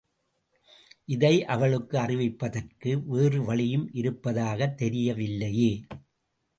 இதை அவளுக்கு அறிவிப்பதற்கு வேறு வழியும் இருப்பதாகத் தெரியவில்லையே?